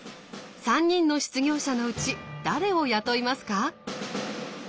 ３人の失業者のうち誰を雇いますか？